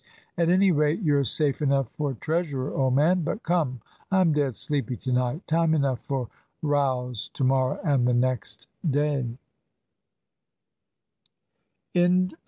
"At any rate you're safe enough for treasurer, old man. But come, I'm dead sleepy to night. Time enough for rows to morrow and the next day."